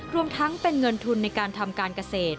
รวมทั้งเป็นเงินทุนในการทำการเกษตร